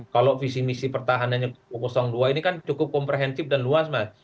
kalau visi misi pertahanan yang o dua ini kan cukup komprehensif dan luas mas